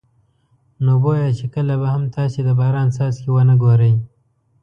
نو بویه چې کله به هم تاسې د باران څاڅکي ونه ګورئ.